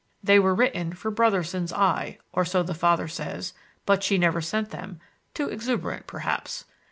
They were written for Brotherson's eye or so the father says but she never sent them; too exuberant perhaps.